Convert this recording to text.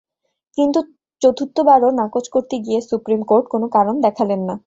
কিন্তু চতুর্থবারও নাকচ করতে গিয়ে সুপ্রিম কোর্ট কোনো কারণ দেখালেন না।